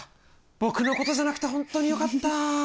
僕のことじゃなくてほんとによかった。